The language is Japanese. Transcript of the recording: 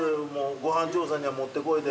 ご飯調査にはもってこいで。